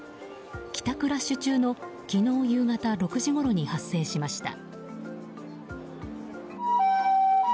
帰宅ラッシュ中の昨日夕方６時ごろに発生しました。